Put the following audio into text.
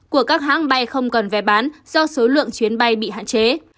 của các hãng bay không còn vé bán do số lượng chuyến bay bị hạn chế